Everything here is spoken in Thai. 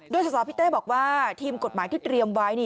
โดยสาธารณ์พิเตศบอกว่าทีมกฏหมายที่เตรียมไว้